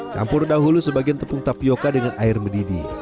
campur dahulu sebagian tepung tapioca dengan air mendidih